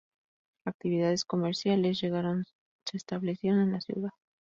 Actividades comerciales llegaron se establecieron en la ciudad.